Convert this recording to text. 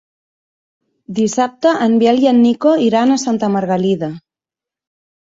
Dissabte en Biel i en Nico iran a Santa Margalida.